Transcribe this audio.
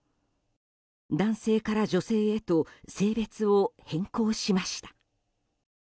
男性から女性へと性別を変更しました。